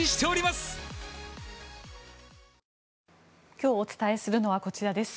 今日お伝えするのはこちらです。